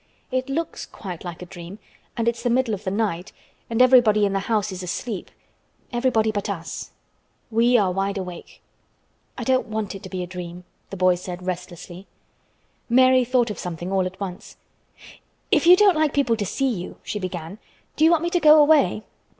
"It looks quite like a dream, and it's the middle of the night, and everybody in the house is asleep—everybody but us. We are wide awake." "I don't want it to be a dream," the boy said restlessly. Mary thought of something all at once. "If you don't like people to see you," she began, "do you want me to go away?"